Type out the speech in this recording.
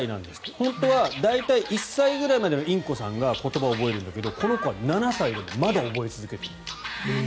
本当は大体１歳ぐらいまでのインコさんが言葉を覚えるんだけどこの子は７歳でまだ覚え続ける。